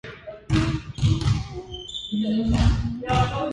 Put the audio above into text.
ハンカチを見てやっと思い出せるほど昔のことだった